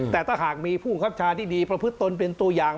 แต่ถ้าหากมีผู้คับชาที่ดีประพฤติตนเป็นตัวอย่าง